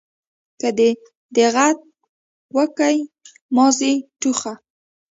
که دي دېغت وکئ ماضي ټوخه.